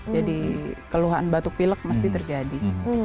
jadi keluhan batuk pilek mesti terjadi